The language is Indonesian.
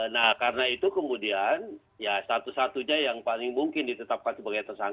nah karena itu kemudian ya satu satunya yang paling mungkin ditetapkan sebagai tersangka